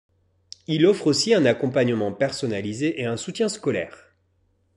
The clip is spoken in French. Il offre aussi un accompagnement personnalisé et un soutien scolaire.